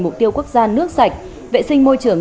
mục tiêu quốc gia nước sạch vệ sinh môi trường